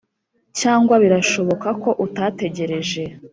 cyangwa birashoboka ko utategereje: